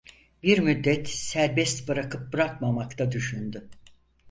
Bir müddet serbest bırakıp bırakmamakta düşündü.